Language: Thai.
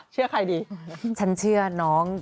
ฉันเชื่อน้อง